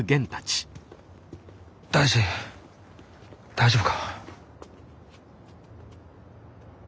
大志大丈夫か？